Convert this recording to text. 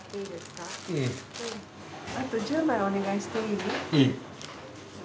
あと１０枚お願いしていい？いい。